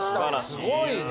すごいね。